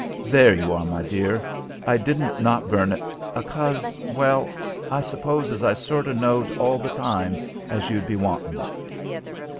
"There you are, my dear. I didn't not burn it, a'cause Well, I suppose as I sorter knowed all the time as you'd be wantin' it."